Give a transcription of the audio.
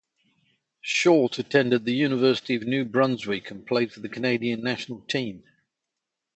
Short attended the University of New Brunswick and played for the Canadian National Team.